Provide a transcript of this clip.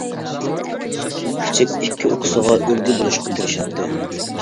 كىچىك ئىككى ئۇكىسىغا ئۈلگە بولۇشقا تىرىشاتتى.